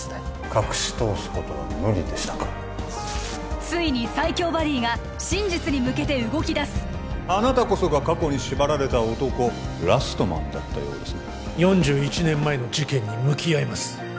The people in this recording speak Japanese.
隠しとおすことは無理でしたかついに最強バディがあなたこそが過去に縛られた男ラストマンだったようですね４１年前の事件に向き合います